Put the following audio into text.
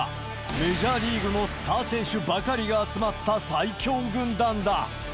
メジャーリーグのスター選手ばかりが集まった最強軍団だ。